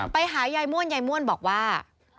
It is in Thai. ไปหายายม่วนยายม่วนบอกว่า